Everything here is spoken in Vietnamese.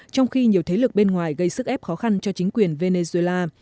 trong khi nhiều thế lực bên ngoài gây sức ép khó khăn cho chính quyền venezuela